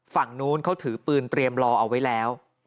ฝั่งนู้นเขาถือปืนเตรียมรอเอาไว้แล้ว